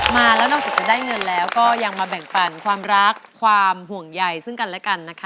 มาแล้วนอกจากจะได้เงินแล้วก็ยังมาแบ่งปันความรักความห่วงใยซึ่งกันและกันนะคะ